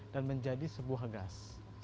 dan menjadi sebuah gas